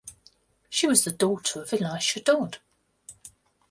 She was the daughter of Elisha Dodd.